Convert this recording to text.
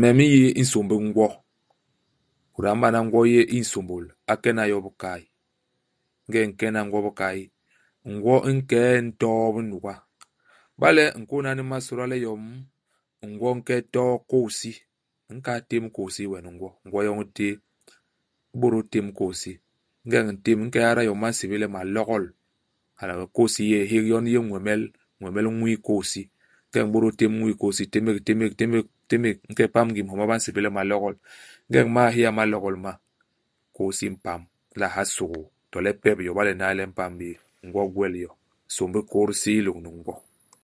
Me me n'yi nsômbi u ngwo. Mut a m'bana ngwo yéé i nsômbôl, a kena yo i bikay. Ingeñ u nkena ngwo i bikay, ngwo i nke i ntoo binuga. Iba le u nkôhna ni masoda le yom ngwo i nke i too kôy-hisi, u nkahal tém i kôy-hisi i we ni ngwo, ngwo yoñ i téé. U bôdôl tém kôy-hisi. Ingeñ u ntém, u nke u ada yom ba nsébél le malogol. Hala wee kôy-hisi i yé i hék ; yon i yé ñwemel, ñwemel u ñwii u kôy-hisi. Ingeñ u m'bôdôl tém ñwii u kôy-hisi, u témék, u témék, u témék, u témék, u nke u pam i ngim homa ba nsébél le malogol. Ingeñ u m'mal héya imalogol ma, kôy-hisi i mpam. U nla ha hisôgôô, to le u pep to iba le i n'nay le i mpam bé ; ngwo i gwel yo. Nsômbi u kôy-disi u lôñni ngwo.